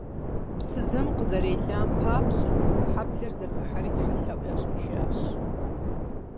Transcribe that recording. Псыдзэм къызэрелам папщӏэ, хьэблэр зэхыхьэри тхьэлъэӏу ящӏыжащ.